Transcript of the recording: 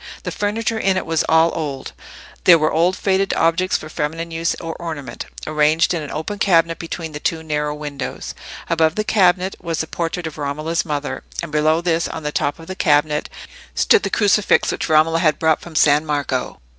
The furniture in it was all old; there were old faded objects for feminine use or ornament, arranged in an open cabinet between the two narrow windows; above the cabinet was the portrait of Romola's mother; and below this, on the top of the cabinet, stood the crucifix which Romola had brought from San Marco.